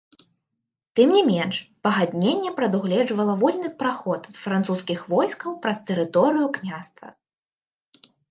Тым не менш, пагадненне прадугледжвала вольны праход французскіх войскаў праз тэрыторыю княства.